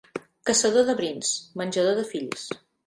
Caçador de brins, menjador de fills.